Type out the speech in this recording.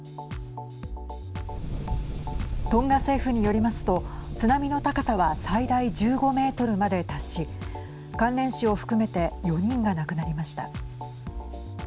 トンガ政府によりますと津波の高さは最大１５メートルまで達し関連死を含めて４人が亡くなりました。